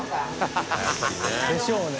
やっぱりね。でしょうね。